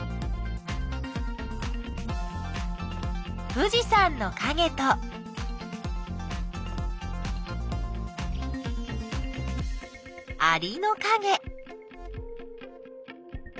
富士山のかげとアリのかげ。